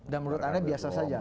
dan menurut anda biasa saja